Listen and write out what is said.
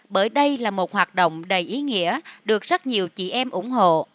bởi đây là một hoạt động đầy ý nghĩa được rất nhiều chị em ủng hộ